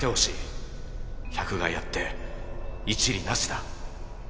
百害あって一利なしだ。